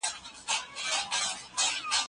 پاک لمنې خلک له شرمنده ګۍ خلاص دي.